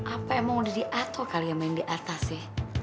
apa emang udah diatur kali ya main diatas ya